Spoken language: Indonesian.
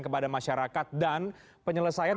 kepada masyarakat dan penyelesaian